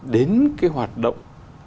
đến cái hoạt động